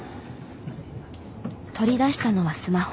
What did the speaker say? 取り出したのはスマホ。